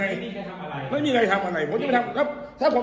ไม่มีใครทำอะไรไม่มีใครทำอะไรผมจะไปทำครับถ้าผม